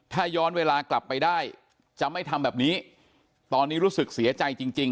ถ้าย้อนเวลากลับไปได้จะไม่ทำแบบนี้ตอนนี้รู้สึกเสียใจจริงจริง